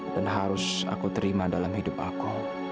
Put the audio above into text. dan harus aku terima dalam hidup aku